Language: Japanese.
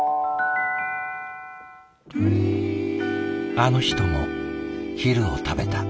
あの人も昼を食べた。